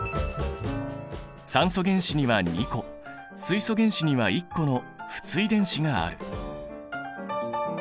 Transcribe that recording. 酸素原子には２個水素原子には１個の不対電子がある。